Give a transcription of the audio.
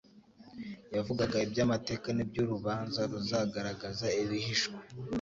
Yavugaga iby'amateka n'iby'urubanza ruzagaragaza ibihishwe.